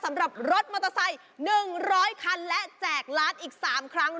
สำหรับรถมอเตอร์ไซค์๑๐๐คันและแจกล้านอีก๓ครั้ง